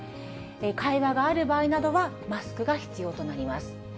会話がある場合などはマスクが必要となります。